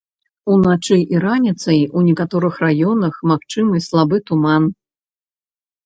Уначы і раніцай у некаторых раёнах магчымы слабы туман.